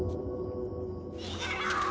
逃げろ！